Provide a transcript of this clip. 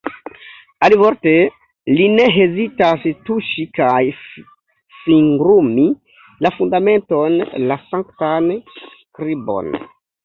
Alivorte, li ne hezitas tuŝi kaj fingrumi la fundamenton, la sanktan skribon.